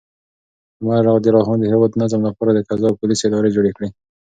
عمر رض د هیواد د نظم لپاره د قضا او پولیسو ادارې جوړې کړې.